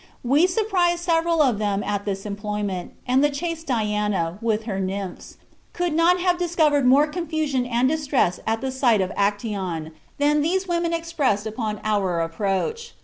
We surprised several of them at this employment, and the chaste Diana, with her nymphs, could not have discovered more confusion and distress at the sight of Actæon, than these women expressed upon our approach.